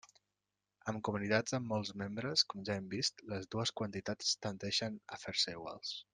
Amb comunitats amb molts membres, com ja hem vist, les dues quantitats tendeixen a fer-se iguals.